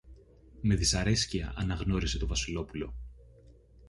Με δυσαρέσκεια αναγνώρισε το Βασιλόπουλο